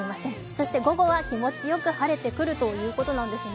そして午後は気持ちよく晴れてくるということなんですね。